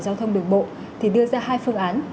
giao thông đường bộ thì đưa ra hai phương án